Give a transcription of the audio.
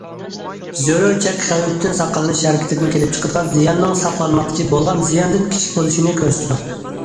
زۆرۈر چەك خەۋپتىن ساقلىنىش ھەرىكىتىدىن كېلىپ چىقىدىغان زىياننىڭ ساقلانماقچى بولغان زىياندىن كىچىك بولۇشىنى كۆرسىتىدۇ.